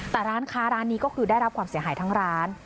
แต่ร้านค้าร้านนี้ก็คือได้รับความเสียหายทั้งร้าน